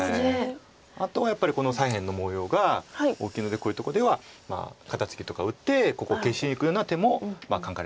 あとはやっぱりこの左辺の模様が大きいのでこういうとこでは肩ツキとか打ってここを消しにいくような手も考えられますよね。